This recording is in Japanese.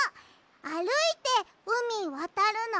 あるいてうみわたるの？